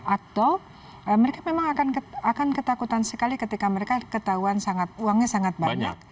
atau mereka memang akan ketakutan sekali ketika mereka ketahuan uangnya sangat banyak